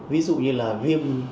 ví dụ như là viêm